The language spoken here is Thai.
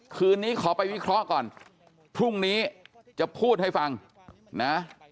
คืนนี้ขอไปวิเคราะห์ก่อนพรุ่งนี้จะพูดให้ฟังนะ